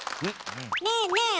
ねえねえ